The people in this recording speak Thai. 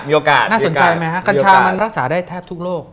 น่าสนใจไหมฮะกัญชามันรักษาได้แทบทุกโลก